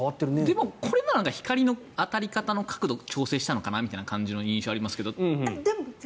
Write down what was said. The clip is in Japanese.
でも、これは光の当たり方の角度調整したのかなみたいな印象がありますけど。